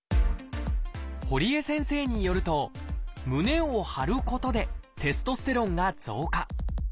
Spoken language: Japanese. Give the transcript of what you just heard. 堀江先生によると胸を張ることでテストステロンが増加。